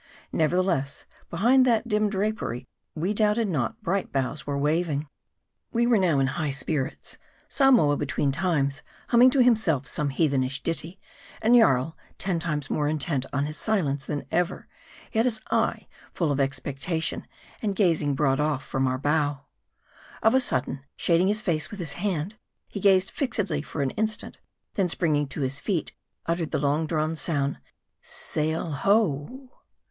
Nevertheless, behind that dim drapery we doubt ed not bright boughs were waving. We were now in high spirits. Samoa between times 152 MARDI. humming to himself some heathenish ditty, and Jarl ten times more intent on his silence than ever ; yet his eye full of expectation and gazing broad off from our bow. Of a sudden, shading his face with his hand, he gazed fixedly for an instant, and then springing to his feet, uttered the long drawn sound " Sail ho